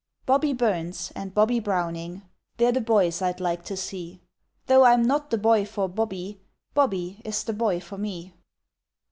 Bobbie Burns and Bobbie Browning, They're the boys I'd like to see. Though I'm not the boy for Bobbie, Bobbie is the boy for me!